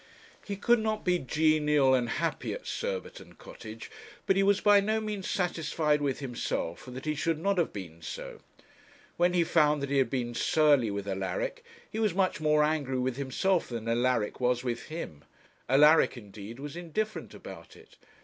He could not be genial and happy at Surbiton Cottage; but he was by no means satisfied with himself that he should not have been so. When he found that he had been surly with Alaric, he was much more angry with himself than Alaric was with him. Alaric, indeed, was indifferent about it.